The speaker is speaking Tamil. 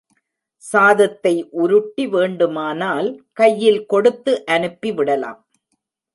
சாதத்தை உருட்டி வேண்டுமானால் கையில் கொடுத்து அனுப்பி விடலாம்.